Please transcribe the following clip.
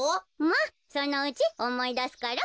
まっそのうちおもいだすから。